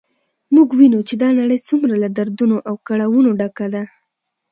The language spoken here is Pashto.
موږ وینو چې دا نړی څومره له دردونو او کړاوونو ډکه ده